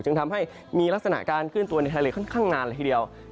จึงทำให้มีลักษณะการขึ้นตัวในทะเลค่อนข้างนานละทีเดียว